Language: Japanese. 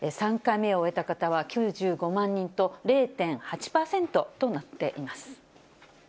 ３回目を終えた方は９５万人と、０．８％となっています。